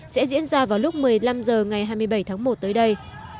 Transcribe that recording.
sẽ diễn ra vào lúc một mươi năm h ngày hai mươi bảy tháng một tới đây